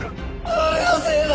俺のせいだ！